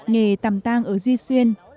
nghề tàm tang ở duy xuyên